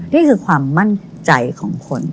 นี่คือความมั่นใจของคน